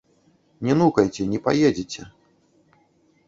Не нукайце, не паедзеце.